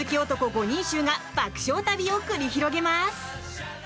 ５人衆が爆笑旅を繰り広げます！